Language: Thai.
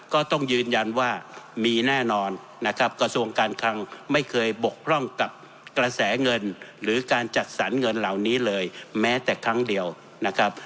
ก็ต้องยืนยันว่ามีแน่นอนนะครับกระทรวงการคลังไม่เคยบกพร่องกับกระแสเงินหรือการจัดสรรเงินเหล่านี้เลยแม้แต่ครั้งเดียวนะครับ